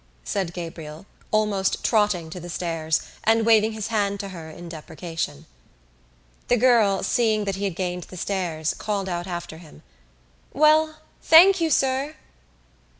said Gabriel, almost trotting to the stairs and waving his hand to her in deprecation. The girl, seeing that he had gained the stairs, called out after him: "Well, thank you, sir."